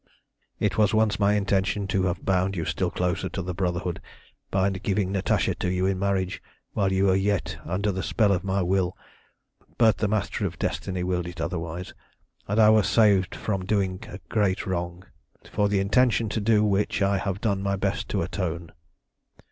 "It was once my intention to have bound you still closer to the Brotherhood by giving Natasha to you in marriage while you were yet under the spell of my will; but the Master of Destiny willed it otherwise, and I was saved from doing a great wrong, for the intention to do which I have done my best to atone."